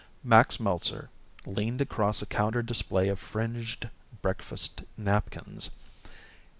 Max Meltzer leaned across a counter display of fringed breakfast napkins.